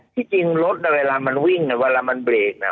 ที่จริงรถเวลามันวิ่งเวลามันเบรกน่ะ